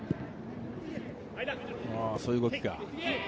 そういう動きか。